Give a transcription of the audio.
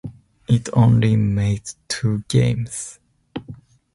It only made two games.